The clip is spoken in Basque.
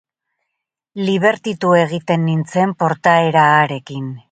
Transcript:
Libertitu egiten nintzen portaera harekin.